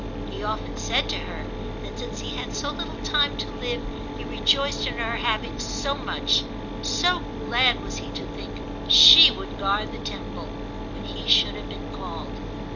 He often said to her that since he had so little time to live he rejoiced in her having so much; so glad was he to think she would guard the temple when he should have been called.